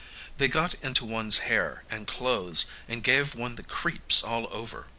They got into one's hair and clothes, and gave one the creeps all over.